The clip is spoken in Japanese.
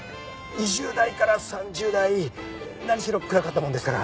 ２０代から３０代何しろ暗かったものですから。